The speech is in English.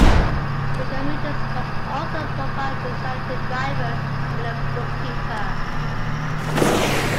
The commuters must also provide designated drivers and a bookkeeper.